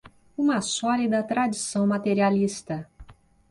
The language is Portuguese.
uma sólida tradição materialista